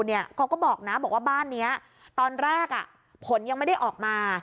เขาก็บอกนะบอกว่าบ้านนี้ตอนแรกผลยังไม่ได้ออกมา